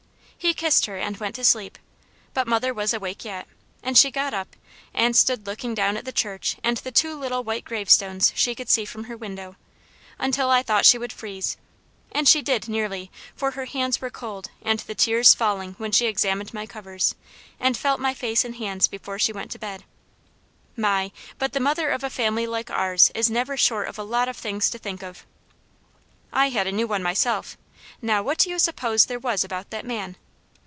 He kissed her and went to sleep, but mother was awake yet, and she got up and stood looking down at the church and the two little white gravestones she could see from her window, until I thought she would freeze, and she did nearly, for her hands were cold and the tears falling when she examined my covers, and felt my face and hands before she went to bed. My, but the mother of a family like ours is never short of a lot of things to think of! I had a new one myself. Now what do you suppose there was about that man?